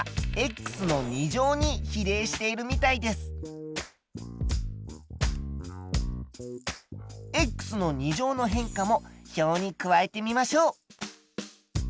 つまりの２乗の変化も表に加えてみましょう。